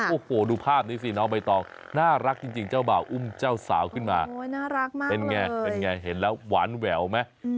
โอ้โหดูภาพนี้สิน้องใบตองน่ารักจริงเจ้าบ่าวอุ้มเจ้าสาวขึ้นมาเป็นไงเห็นแล้วหวานแหววไหม